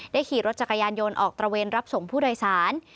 ขี่รถจักรยานยนต์ออกตระเวนรับส่งผู้โดยสาร